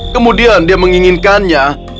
kemudian dia menginginkannya